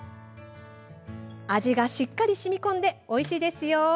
味がしっかりしみこんでおいしいですよ。